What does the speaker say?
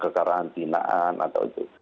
ke karantinaan atau itu